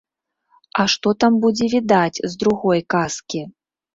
А што там будзе відаць з другой казкі?